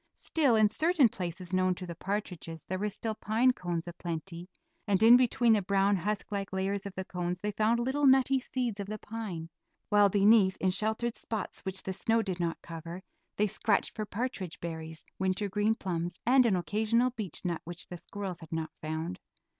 Still, in certain places known to the partridges there were still pine cones a plenty, and in between the brown husk like layers of the cones they found little nutty seeds of the pine, while beneath, in sheltered spots which the snow did not cover, they scratched for partridge berries, wintergreen plums, and an occasional beechnut which the squirrels had not found.